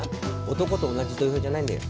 男と同じ土俵じゃないんだよ。